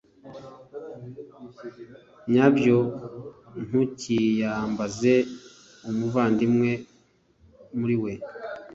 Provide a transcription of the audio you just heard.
nyabyo ntukiyambaze umuvandimwe muriwe